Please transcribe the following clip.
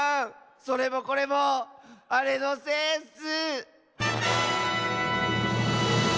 それもこれもあれのせいッス！